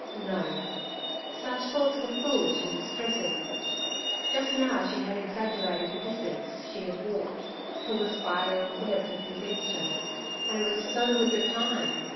No; such thoughts were foolish and distressing. Just now she had exaggerated the distance she had walked, till the spider and web had convinced her, and it was so with the time.